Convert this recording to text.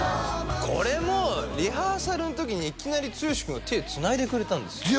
これもリハーサルの時にいきなり剛君が手つないでくれたんです剛